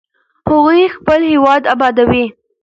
هغوی خپل هېواد ابادوي.